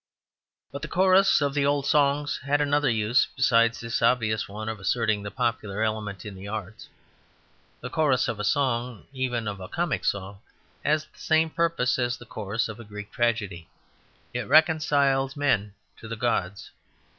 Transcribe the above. But the chorus of the old songs had another use besides this obvious one of asserting the popular element in the arts. The chorus of a song, even of a comic song, has the same purpose as the chorus in a Greek tragedy. It reconciles men to the gods.